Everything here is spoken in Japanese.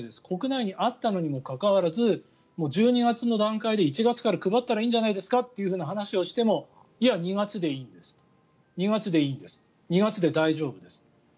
国内にあったにもかかわらず１２月の段階で１月から配ったらいいんじゃないかという話をしてもいや、２月でいいんです２月で大丈夫です。